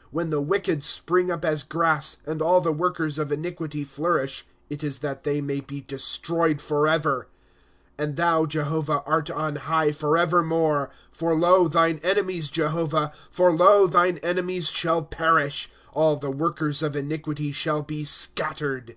' When the wicked spring up as grass. And all the workers of iaiquity flourish; It is that they may be destroyed forever. ^ And thou, Jehovah, art on high forevermore, ^ For lo, thine enemies, Jehovah, For lo, thine enemies shall perish ; All the workers of iniquity shall be scattered.